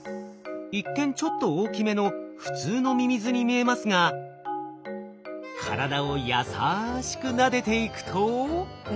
一見ちょっと大きめの普通のミミズに見えますが体を優しくなでていくと。